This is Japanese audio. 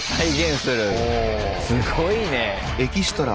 すごいね。